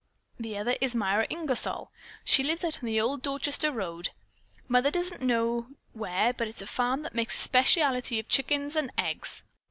The other is Myra Ingersol. She lives out on the old Dorchester road. Mother doesn't just know where, but it's a farm that makes a specialty of chickens and eggs.